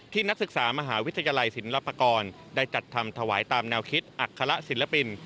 นักศึกษามหาวิทยาลัยศิลปกรณ์ได้จัดทำถวายตามแนวคิดอัคละศิลปิน